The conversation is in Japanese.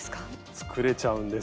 作れちゃうんです。